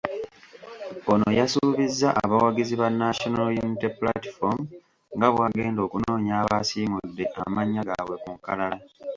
Ono yasuubizza abawagizi ba National Unity Platform nga bw'agenda okunoonya abaasiimudde amannya gaabwe ku nkalala.